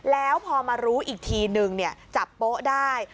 แล้วพอมารู้อีกทีนึงจับโป๊ะได้